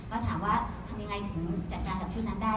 ก็ถามว่าทำยังไงถึงจัดการกับชื่อนั้นได้